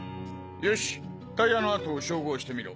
よしタイヤの跡を照合してみろ！